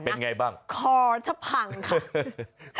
เป็นยังไงบ้างคอแทบทั่งว่าค๊ะ